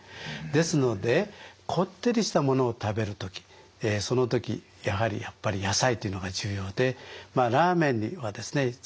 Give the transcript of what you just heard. ですのでこってりしたものを食べる時その時やはり野菜というのが重要でラーメンはですね